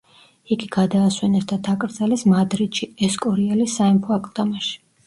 იგი გადაასვენეს და დაკრძალეს მადრიდში, ესკორიალის სამეფო აკლდამაში.